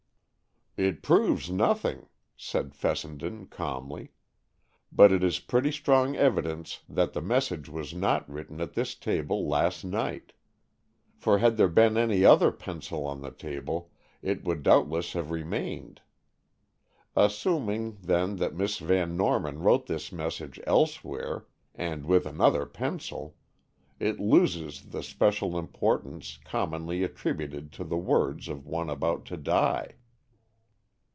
"It proves nothing," said Fessenden calmly, "but it is pretty strong evidence that the message was not written at this table last night. For had there been any other pencil on the table, it would doubtless have remained. Assuming, then that Miss Van Norman wrote this message elsewhere, and with another pencil, it loses the special importance commonly attributed to the words of one about to die."